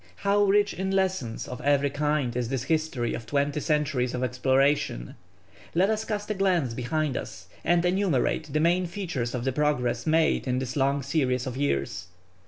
How rich in lessons of every kind is this history of twenty centuries of exploration. Let us cast a glance behind us and enumerate the main features of the progress made in this long series of years.